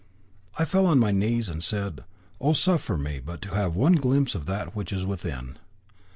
I fell on my knees, and said: 'Oh, suffer me but to have one glimpse of that which is within!'